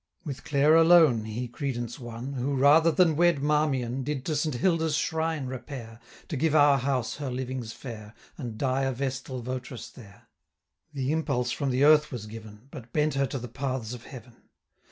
With Clare alone he credence won, Who, rather than wed Marmion, Did to Saint Hilda's shrine repair, 620 To give our house her livings fair, And die a vestal vot'ress there. The impulse from the earth was given, But bent her to the paths of heaven.